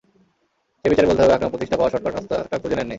সেই বিচারে বলতে হবে, আকরাম প্রতিষ্ঠা পাওয়ার শর্টকাট রাস্তাটা খুঁজে নেননি।